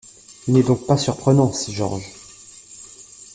Il n’est donc pas surprenant si George.